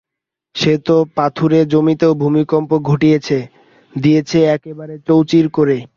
সে তো পাথুরে জমিতেও ভূমিকম্প ঘটিয়েছে, দিয়েছে একেবারে চৌচির করে।